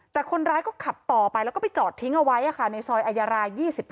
แต่คนร้ายก็ขับต่อไปแล้วก็ไปจอดทิ้งเอาไว้ในซอยอายาราย๒๕